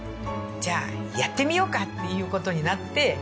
じゃあやってみようかっていう事になって。